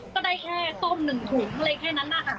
ก็ได้แค่ต้มหนึ่งถุงเลยแค่นั้นนะค่ะ